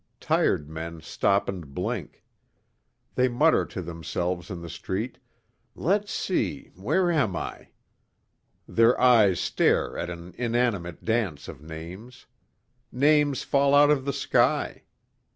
Tired men stop and blink. They mutter to themselves in the street, "Lets see, where am I?" Their eyes stare at an inanimate dance of names. Names fall out of the sky.